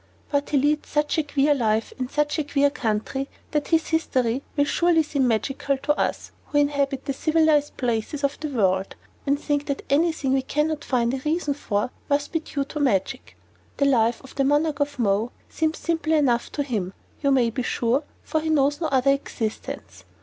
But he leads such a queer life in such a queer country that his history will surely seem magical to us who inhabit the civilized places of the world and think that anything we can not find a reason for must be due to magic. The life of the Monarch of Mo seems simple enough to him, you may be sure, for he knows no other existence.